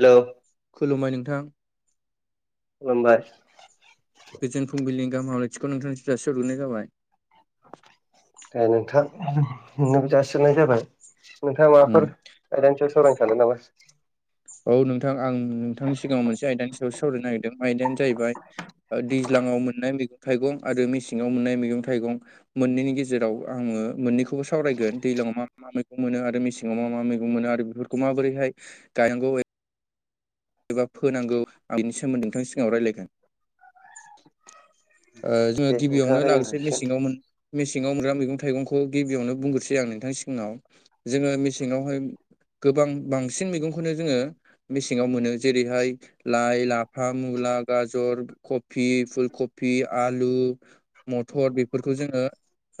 हेल' खुलुमबाय नोंथां खुलुमबाय गोजोन फुंबिलिनि गाहाम हललाथिखौ नोंथांनिसिम जासिहरग्रोनाय जाबाय दे नोंथां नोंनोबो जासिनाय जाबाय नोंथाङा माबाफोर आयदानि सायाव सावरायनो सानदों नामा औ नोंथां आं नोंथांनि सिगाङाव मोनसे आयदानि सायाव सावरायनो नागिरदों आयदायानो जाहैबाय दैज्लाङाव मोननाय मैगं थाइगं आरो मेसेङाव मोननाय मैगं थाइगं मोननैनि गेजेराव आङो मोननैखौबो सावरायगोन दैलाङाव मा मा मैगं मोनो आरो मेसेाव मा मा मैगं मोनो आरो बेफोरखौ माबोरैहाय गायनांगौ एबा फोनांगौ आं बेनि सोमोन्दै नोंथांनि सिगाङाव रायलायगोन ओ जोङो दे नोंथाङा गिबियावनो रायलायनो लाग्रोसै मेसेङाव मोन मेसेङाव मोनग्रा मैगं थाइगंखौ गिबियावनो बुंग्रोसै आं नोंथांनि सिगनाव जोङो मेसेङावहाय गोबां बांसिन मैगंखौनो जोङो मेसेङाव मोनो जेरैहाय लाइ, लाफा, मुला, गाजर, कफि, फुल कफि, आलु, मटर बेफोरखौ जोङो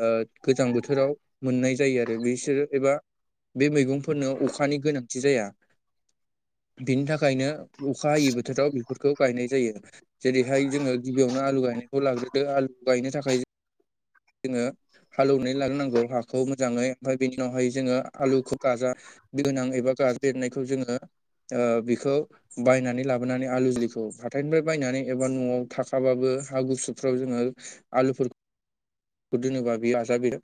ओ गोजां बोथोराव मोननाय जायो आरो बिसोरो एबा बे मैगंफोरनो अखानि गोनांथि जाया। बिनि थाखायनो अखा हायै बोथोराव बेफोरखौ गायनाय जायो। जेरैहाय जोङो गिबियावनो आलु गायनायखौ लाग्रोदो आलु गायनो थाखाय जोङो हालौवनानै लानोनांगौ हाखौ मोजाङै ओमफ्राय बेनि उनावहाय जोङो आलुखौ गाजा गोनां एबा गाजाबेरनायखौ जोङो बेखौ बायनानै लाबोनानै आलु जुलिखौ हाथायनिफ्राय बायनानै एबा न'आव थाखाबाबो हा गुसुफ्राव जोङो आलुफोरफोरखौ दोनोबा बे गाजा बेरो।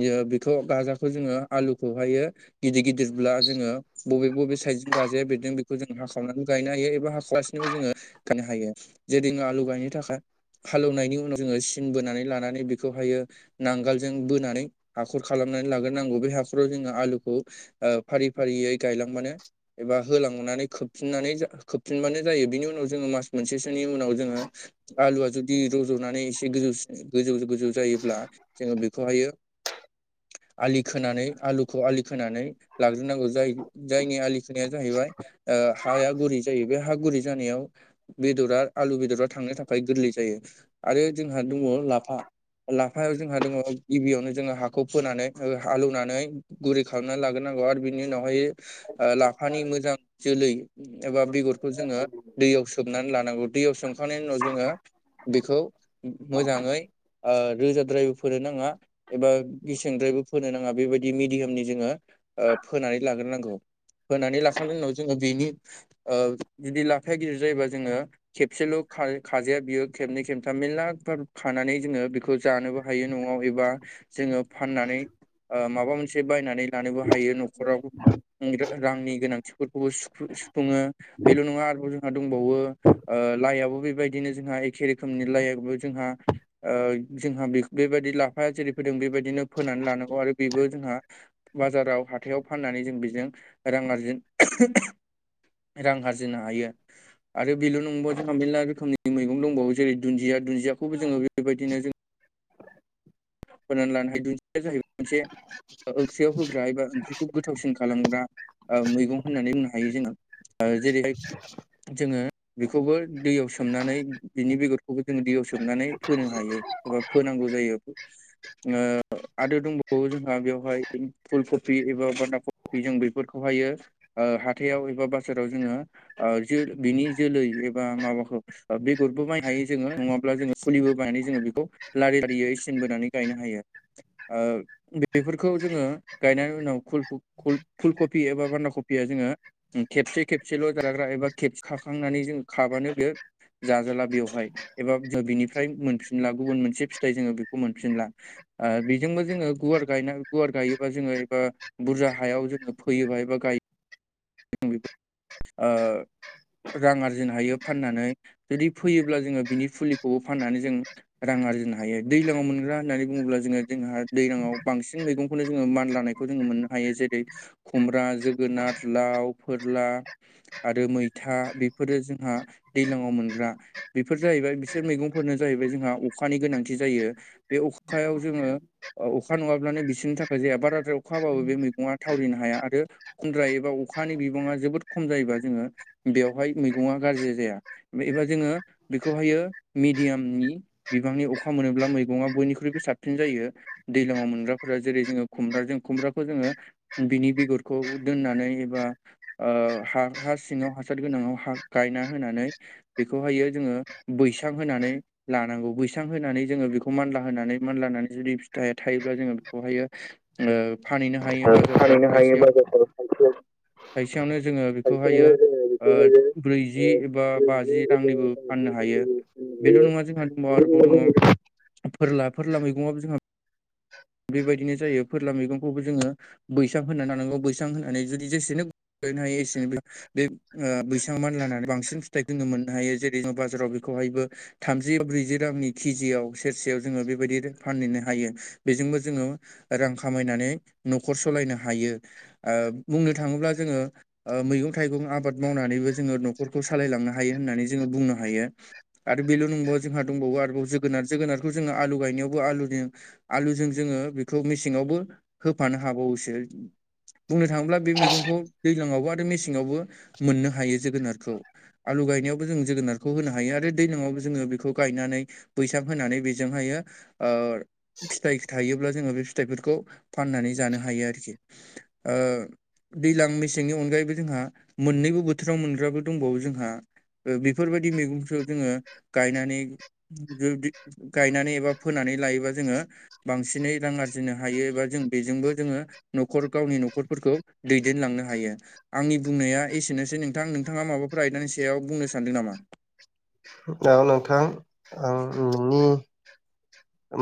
बेयो बेथ' गाजाखौ जोङो आलुखौहायो गिदिर गिदिरब्ला जोङो बबे बबे साइडजों गाजाया बेरदों बेखौ जों हाखावनानै गायनो हायो एबा हाख्लासि [unintelligible] जोङो गायनो हायो जे दिं आलु गायनो थाखाय हालेवनायनि उनाव जोङो सिन बोनानै लानानै बे बेखौहायो नांगोलजों बोनानै हाखर खालामनानै लाग्रोनांगौ। बे हाखराव जोङो आलुखौ ओ फारि फारियै गायलांबानो एबा होलांनानै खोबफिननानै खोबफिनबानो जायो बिनि उनाव जोङो मास मोनसेसोनि उनाव जोङो आलुवा जुदि रज'नानै एसे गोजौसिन गोजौ गोजौ जायोब्ला जोङो बेखौहायो आलि खोनानै आलुखौ आलि खोनानै लाग्रोनांगौ जाय जायनि आलिखोनाया जाहैबाय ओ हाया गुरै जायो बे हा गुरै जानायाव बेदरा आलु बेदरा थांनो थाखाय गोरलै जायो आरो जोंहा दंबावो लाफा। लाफायाव जोंहा दंबावो गिबियावनो जोङो हाखौ फोनानै ओ हाल एवनानै गुरै खालामनानै लाग्रोनांगौ आरो बिनि उनावहाय ओ लाफानि मोजां जोलै एबा बेगरखौ जोङो हासिगोन दैयाव सोमनानै लानांगौ। दैयाव सोमखांनायनि उनाव जोङो बेखौ मोजाङै ओ रोजाद्रायबो फोरान नाङा। एबा गेसेंद्रायबो फोनो नाङा बेबायदि मिडियामनि जोङो ओ फोनानै लाग्रोनांगौ। फोनानै लाखांनायनि उनाव जोङो बेनि ओ जुदि लाफाया गिदिर जायोबा जोङो खेबसेल' खा-खाजाया बियो खेबनै खेबथाम मेरलाफोर खानानै जोङो बेखौ जानोबो हायो न'आव एबा जोङो फाननानै ओ माबा मोनसे बायनानै लानोबो हायो न'खराव। रांनि गोनांथिफोरखौबो सुफुं सुफुङो। बेल' नङा आरोबाव जोंहा दंबावो ओ लाइआबो बेबायदिनो जोंहा एखे रोखोमनि लाइआबो जोंहा ओ जोंहा बे बेबायदि लाफाया जेरै फोदों बेबायदिनो फोनानै लानांगौ आरो बेबो जोंहा बाजाराव हाथायाव फाननानै जों बेजों रां आरजिन [unintelligible] रां आरजिनो हायो। आरो बेल' नंबवा जोंहा मेरला रोखोमनि मैगं दंबावो जेरै दुन्दिया। दुन्दियाखौबो जोङो बेबायदिनो जों होनानै लानो हायो। दुन्दिया जाहैबाय मोनसे ओंख्रियाव होग्रा एबा ओंख्रिखौ गोथावसिन खालामग्रा ओ मैगं होननानै बुंनो हायो जोङो ओ जेरैहाय जोङो बेखौबो दैयाव सोमनानै बिनि बेगरखौबो जोङो दैयाव सोमनानै फोनो हायो एबा फोनांगौ जायो। ओ आरो दंबावो जोंहा बेवहाय फुल कफि एबा बान्दा कफि जों बेफोरखौहायो ओ हाथायाव एबा बाजाराव जोङो ओ जो बिनि जोलै एबा माबाखौ बेगरबो बायनो हायो जोङो नङाब्ला जोङो फुलिबो बायनानै जोङो बेखौ लारि लारियै सिनबोनानै गायनो हायो ओ बेफोरखौ जोङो गायनायनि उनाव खुल ख खुल फुलकफि एबा बान्दा कफिया जोङो खेबसे खेबसेल' जाजाग्रा एबा खेबसे खाखांनानै जों खाबानो बेयो जाजाला बेवहाय एबा बिनिफ्राय मोनफिनला गुबुन मोनसे फिथाइ जोङो बेखौ मोनफिनला। ओ बेजोंबो जोङो गुवार गायना गुवार गायोबा जोङो एबा बुरजा हायाव जोङो फैयोबाय एबा गायो [unintelligible] ओ रां आर्जिनो हायो फाननानै जुदि फैयोब्ला जोङो बिनि फुलिखौबो फाननानै जों रां आरजिनो हायो दैज्लाङाव मोनग्रा होननानै बुङोब्ला जोङो जोंहा दैज्लाङाव बांसिन मैगंखौनो जोङो मान लानाय खौ जोङो मोननो हायो जेरै खुमब्रा जोगोनार लाव फोरला आरो मैथा। बेफोरो जोंहा दैलाङाव मोनग्रा। बेफोर जाहैबाय बिसोर मैगंफोरनो जाहैबाय जोंहा अखानि गोनांथि जायो। बे अखायाव जोङो ओ अखा नङाब्लानो बिसोरनि थाखाय जाया बाराद्राय अ अखा हाबाबो बे मैगङा थावरिनो हाया आरो [unintelligible] अखानि बिबाङा जोबोद खम जायोबा जोङो बेवहाय मैगङा गाज्रि जाया एबा जोङो बेखौहायो मिडियामनि बिबांनि अखा मोनोब्ला मैगङा बयनिख्रुइबो साबसिन जायो। दैज्लाङाव मोनग्राफोरा जेरै जोङो खुमब्राजों खुमब्राखौ जोङो बिनि बेगरखौ दोननानै एबा ओ हा हा सिङाव हासार गोनांआव हा गायना होनानै बेखौहायो जोङो बैसां होनानै लानांगौ बैसां होनानै जोङो बेखौ मानला होनानै मानला होनानानै जुदि फिथाइया थायोब्ला जोङो बेखौहायो ओ फानहैनो हायो बाजारफ्राव फानहैनो हायो थायसेयावनो बाजारफ्राव थाइसेयाव थायसेयावनो जोङो बेखौहायो थाइसेयावनो जोङो बेखौहायो ओ ओ ब्रैजि एबा ब्रैजि बाजि एबा रांनिबो बाजि फाननो हायो। रांनि बेल' नङा जोंहा दंबावो आरोबाव फाननो दङ फोरला फोरला मैगंआबो जोंहा बेबायदिनो जायो फोरला मैगंखौबो जोङो बैसां होनानै लानांगौ बैसां होननानै जुदि जेसेनो [unintelligible] हायो एसेनो बे ओ बैसां मान लानानै बांसिन फिथाइखौ मोननो हायो जेरैनो बाजाराव बेखौहायबो थामजियाव ब्रैजि रांनि केजियाव सेरसेयाव जोङो बेबायदि फानहैनो हायो। बेजोंबो जोङो रां खामायनानै न'खर सालायनो हायो। ओ बुंनो थाङोब्ला जोङो ओ मैगं थाइगं आबाद मावनानैबो जोङो न'खरखौ सालायलांनो हायो होननानै जोङो बुंनो हायो। आरो बेल' नंबावा जोंहा दंबावो आरोबाव जोगोनार जोगोनारखौ जोङो आलु गायनायावबो आलुजनि आलुजों जोङो बेखौ मेसेंआवबो होफानो हाबावोसो। बुंनो थाङोब्ला बे मैगंखौ दैज्लाङावबो आरो मेसेंआवबो मोननो हायो जोगोनारखौ। आलु गायनायावबो जों जोगोनारखौ होनो हायो आरो दैज्लाङआवबो जोङो बेखौ गायनानै बैसाग होनानै बेजोंहायो ओ फिथाइ थायोब्ला जोङो बे फिथाइफोरखौ फाननानै जानो हायो आरोखि ओ दैज्लां मेसेंनि अनगायैबो जोंहा मोननैबो बोथोराव मोनग्राबो दंबावो जोंहा बेफोरबायदि मैगंखौ जोङो गायनानै गायनानै एबा फोनानै लायोबा जोङो बांसिनै रां आरजिनो हायो एबा जों बेजोंबो जोङो न'खर गावनि न'खरफोरखौ दैदेनलांनो हायो। आंनि बुंनाया एसेनोसै नोंथां नोंथाङा माबाफोर आयदानि सायाव बुंनो सानदों नामा? औ नोंथां आं नोंनि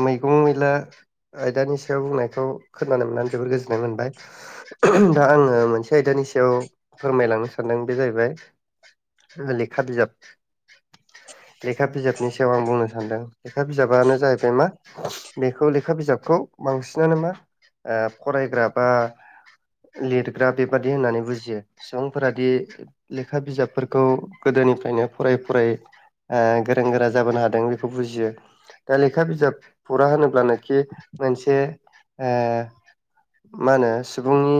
मैगं मैला आयदानि सायाव बुंनायखौ खोनानो मोननानै जोबोर गोजोननाय मोनबाय। दा आङो मोनसे आयदानि सायाव फोरमायलांनो सानदों बे जाहैबाय लेखा बिजाब लेखा बिजाबनि सायाव आं बुंनो सानदों लेखा बिजाबानो जाहैबाय मा बेखौ लेखा बिजाबखौ बांसिनानो मा ओ फरायग्रा बा लिरग्रा बेबादि होननानै बुजियो सुबुंफोरादि लेखा बिजाबफोरखौ गोदोनिफ्रायनो फराय फरायै ओ गोरों गोरा जाबोनो हादों बेखौ बुजियो दा लेख लेखा बिजाब फरा होनोब्लानोखि मोनसे मा होनो सुबुंनि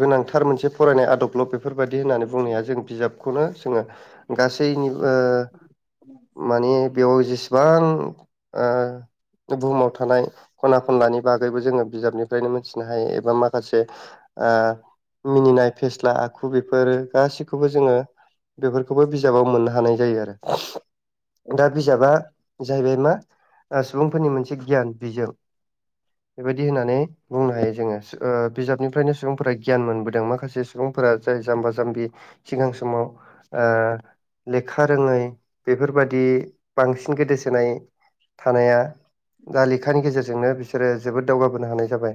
गोनांथार मोनसे फरायनाय आदबल' बेफोरबादि बिदि होननानै बुंनाया जों बिजाबखौनो जोङो गासैनिबो माने बेआव जेसेबां बुहुमाव थानाय खना खनलानि बागैबो जोङो बिजाबनिफ्रायनो मोनथिनो हायो एबा माखासे ओ मिनिनाय फेस्ला आखु बेफोर गासिखौबो जोङो बेफोरखौबो बिजाबाव मोननो हानाय जायो आरो दा बिजाबा जाहैबाय मा सुबुंफोरनि मोनसे गियान बिजों बेबायदि होननानै बुंनो हायो जोङो ओ बिजाबनिफ्रायनो सुबुंफोरा गियान मोनबोदों माखासे सुबुंफोरा जाय जाम्बा जाम्बि सिगां समाव ओ लेखा रोङै बेफोरबादि बांसिन गोदोसोनाय थानाया दा लेखानि गेजेरजोंनो बिसोरो जोबोद दावगाबोनो हानाय जाबाय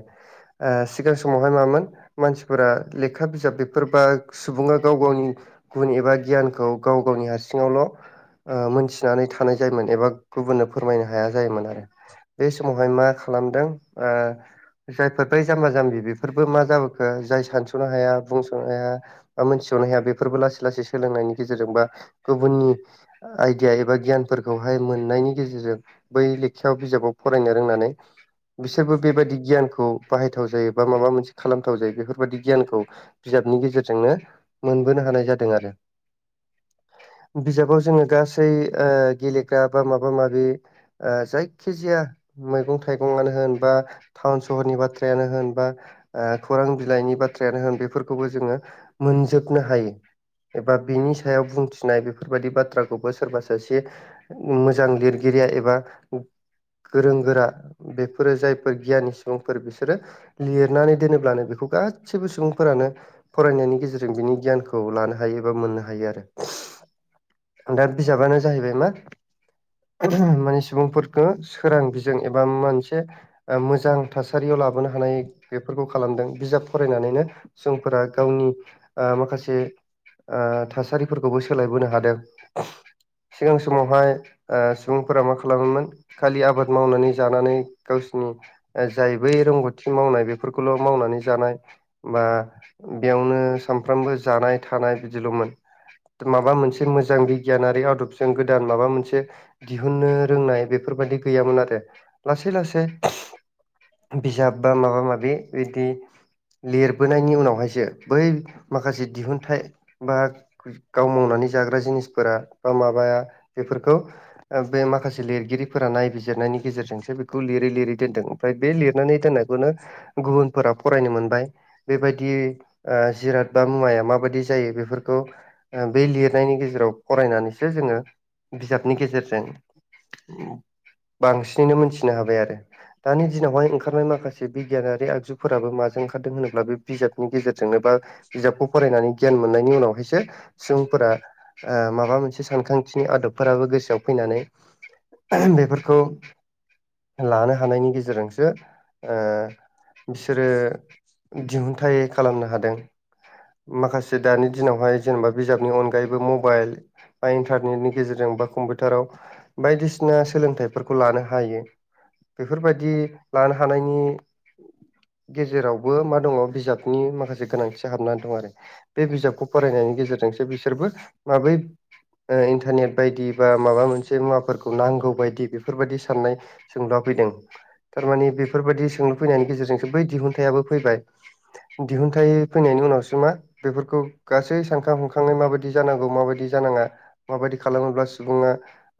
ओ सिगां समावहाय मामोन मानसिफोरा लेखा बिजाब बेफोर बा सुबुङा गाव गावनि गुन एबा गियानखौ गाव गावनि हारसिंआवल' ओ मोनथिनानै थानाय जायोमोन एबा गुबुननो फोरमायनो हाया जायोमोन आरो बे समाव बेहाय मा खालामदों जायफोर बै जाम्बा जाम्बि बेफोरबो मा जाबोखो जाय सानस'नो हाया बुंस'नो हाया बा मोनथिज'नो हाया बेफोरबो लासै लासै सोलोंनायनि गेजेरजों बा गुबुननि आइदिआ एबा गियानफोरखौहाय मोन मोननायनि गेजेरजों बै लेखायाव बिजाबाव फरायनो रोंनानै बिसोरबो बेबादि गियानखौ बाहायथाव जायो बा माबा मोनसे खालामथाव जायो बेफोरबादि गियानखौ बिजाबनि गेजेरजोंनो मोनबोनो हानाय जादों आरो बिजाबाव जोङो गासै ओ गेलेग्रा बा माबा माबि ओ जायखिजाया मैगं थाइगंआनो होन बा टाउन सहरनि बाथ्रायानो होन बा ओ खौरां बिलाइनि बाथ्रायानो होन बेफोरखौबो जोङो मोनजोबनो हायो एबा बिनि सायाव बुंथिनाय बेफोरबादि बाथ्राखौबो सोरबा सासे मोजां लिरगिरिआ एबा गोरों गोरा बेफोरो जायफोर गियानि सुबुंफोर बिसोरो लिरनानै दोनोब्लानो बेखौ गासैबो सुबुंफोरानो फरायनायनि गेजेरजों बिनि गियानखौ लानो हायो एबा मोननो हायो आरो दा बिजाबानो जाहैबाय मा ओ माने सुबुंफोरखौ सोरां बिजों एबा मोनसे ओ मोजां थासारिआव लाबोनो हानाय बेफोरखौ खालामदों बिजाब फरायनानैनो सुबुंफोरा गावनि ओ माखासे ओ थासारिफोरखौबो सोलायबोनो हादों सिगां समावहाय ओ सुबुंफोरा मा खालामोमोन खालि आबाद मावनानै जानानै गावसिनि जाय बै रोंगौथि मावनाय बेफोरखौल' मावनानै जानाय बा बेआवनो सामफ्रामबो जानाय थानाय बिदिल'मोन माबा मोनसे मोजां बिगियानारि आदबजों गोदान माबा मोनसे दिहुननो रोंनाय बेफोरबादि गैयामोन आरो लासै लासै बिजाब बा माबा माबि बिदि लिरबोनायनि उनावहायसो बै माखासे दिहुनथाइ बा गाव मावनानै जाग्रा जिनिसफोरा बा माबाया बेफोर खौ बे माखासे लिरगिरिफोरा नायबिजिरनायनि गेजेरजोंसो बेखौ लिरै लिरै दोनदों आमफ्राय बे लिरनानै दोननायखौनो गुबुनफोरा फरायनो मोनबाय बेबादि ओ जिराद बा मुवाया माबायदि जायो बेफोरखौ ओ बे लिरनायनि गेजेराव फरायनानैसो जोङो बिजाबनि गेजेरजों बांसिनैनो मोनथिनो हाबाय आरो दानि दिनावहाय ओंखारनाय माखासे से बिगियानारि आगजुफोराबो माजों ओंखारदों होनोब्ला बे बिजाबनि गेजेरजोंनो बा बिजाबखौ फरायनानै गियान मोननायनि उनावहायसो सुबुंफोरा ओ माबा मोनसे सानखांथिनि आदब फोराबो गोसोआव फैनानै बेफोरखौ लानो हानायनि गेजेरजोंसो ओ बिसोरो दिहुनथाइ खालामनो हादों माखासे दानि दिनावहाय जेनेबा बिजाबनि अनगायैबो मबाइल बा इन्टारनेटनि गेजेरजों बा कम्पिउटाराव बायदिसिना सोलोंथाइफोरखौ लानो हायो बेफोरबादि लानो हानायनि गेजेरावबो मा दङ बिजाबनि माखासे गोनांथि हाबना दं आरो बे बिजाबखौ फरायनायनि गेजेरजोंसो बिसोरबो माबोरै ओ इन्टारनेट बायदि बा माबा मोनसे मुवाफोरखौ नांगौ बादि बेफो बेफोरबादि साननाय सोंलुआ फैदों थारमाने बेफोरबादि सोंलु फैनायनि गेजेरजोंसो बै दिहुनथाइआबो फैबाय दिहुनथाइ फैनायनि उनावसो मा बेफोरखौ गासै सानखां हुंखाङै माबादि जानांगौ माबादि जानाङा माबादि खालामोब्ला सुबुङा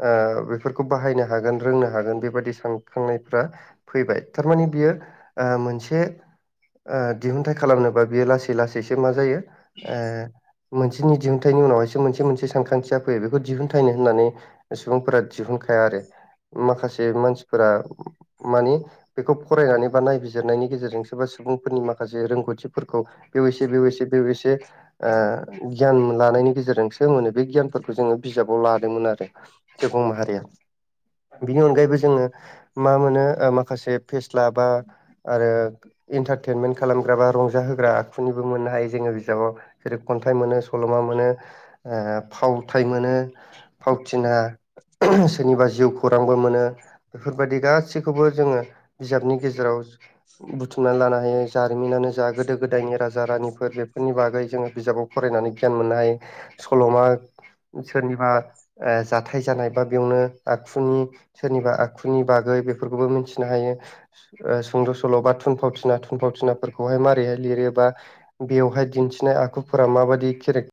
ओ बेफोरखौ बाहायनो हागोन रोंनो हागोन बेबायदि सानखांनायफ्रा फैबाय थारमाने बियो ओ मोनसे ओ दिहुनथाइ खालामनोबा बेयो लासै लासैसो मा जायो ओ मोनसेनि दिहुनथाइनि उनावहायसो मोनसे मोनसे सानखांथिया फैयो बेखौ दिहुनथायाइनो होननानै सुबुंफोरा दिहुनखाया आरो माखासे मानसिफोरा मानि बेखौ फरायनानै बा नायबिजिरनायनि गेजेरजोंसो बा सुबुंफोरनि माखासे रोंगौथिफोरखौ बेव एसे बेव एसे बेव एसे ओ गियान लानायनि गेजेरजोंसो मोनो बे गियानफोरखौ जोङो बिजाबाव लादोंमोन आरो सुबुं माहारिया बिनि अनगायैबो जोङो मा मोनो ओ माखासे फेस्ला बा आरो इन्टारटेनमेन्ट खालामग्रा बा रंजा होग्रा आखुनिबो मोननो हायो जोङो बिजाबाव जेरै खन्थाइ मोनो सल'मा मोनो ओ फावथाय मोनो फावथिना सोरनिबा जिउ खौरांबो मोनो बेफोरबायदि गासैखौबो जोङो बिजाबनि गेजेराव बुथुमनानै लानो हायो जारिमिनानो जा गोदो गोदायनि राजा राजा रानिफोर बेफोरनि बागै जोङो बिजाबाव फरायनानै गियान मोननो हायो सल'मा सोरनिबा ओ जाथाय जानाय बा बेयावनो आखुनि सोरनिबा आखुनि बागै बेफोरखौबो मिथि नो हायो सुंद' सल' बा थुनफावथिना थुनफावथिनाफोरखौहाय मारोरैहाय लिरो बा बेवहाय दिन्थिनाय आखुफोरा माबायदि केेरेक